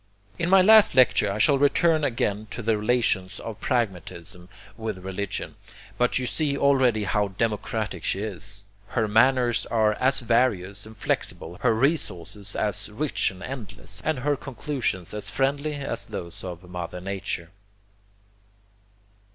In my last lecture I shall return again to the relations of pragmatism with religion. But you see already how democratic she is. Her manners are as various and flexible, her resources as rich and endless, and her conclusions as friendly as those of mother nature.